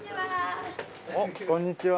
こんにちは。